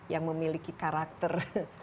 yang memiliki karakter